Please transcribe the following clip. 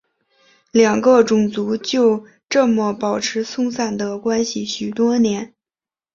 两个种族就这么保持松散的关系许多年。